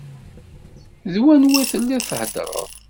D wanwa telliḍ theddreḍ?